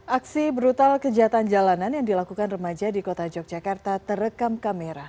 aksi brutal kejahatan jalanan yang dilakukan remaja di kota yogyakarta terekam kamera